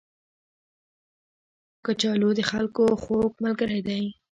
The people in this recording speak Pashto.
کچالو د خلکو خوږ ملګری دی